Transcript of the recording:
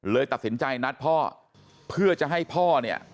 ตัดสินใจนัดพ่อเพื่อจะให้พ่อเนี่ย